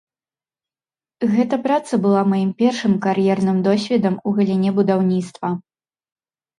Гэта праца была маім першым кар'ерным досведам у галіне будаўніцтва.